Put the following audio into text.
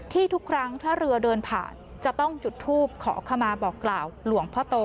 ที่ทุกครั้งถ้าเรือเดินผ่านจะต้องจุดทูปขอเข้ามาบอกกล่าว